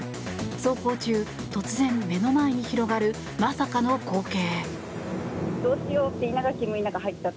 走行中突然、目の前に広がるまさかの光景。